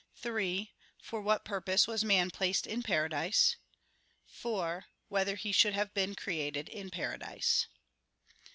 (3) For what purpose was man placed in paradise? (4) Whether he should have been created in paradise?